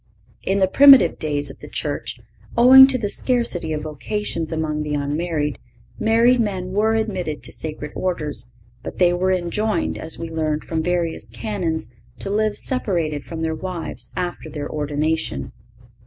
(526) In the primitive days of the Church, owing to the scarcity of vocations among the unmarried, married men were admitted to sacred orders, but they were enjoined, as we learn from various canons, to live separated from their wives after their ordination.